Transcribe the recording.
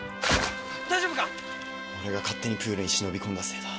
俺が勝手にプールに忍び込んだせいだ。